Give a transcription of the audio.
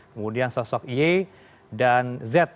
kemudian sosok y dan z